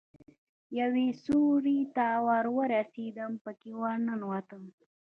يوې سوړې ته ورسېدم پکښې ورننوتم.